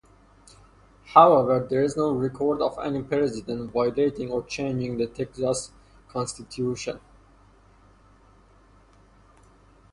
However, there is no record of any president violating or changing the Texas Constitution.